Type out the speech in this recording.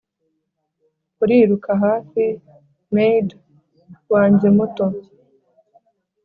“uriruka hafi, maid wanjye muto,